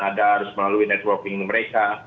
ada harus melalui networking mereka